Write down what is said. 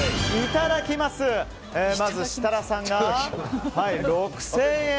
まずシタラさんが６０００円。